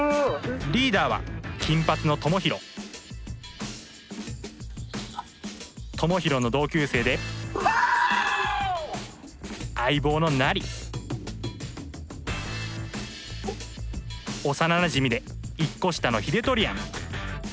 リーダーは金髪のともひろともひろの同級生で相棒のなり幼なじみで１個下のヒデトリアン。